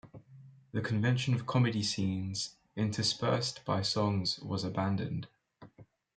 The convention of comedy scenes interspersed by songs was abandoned.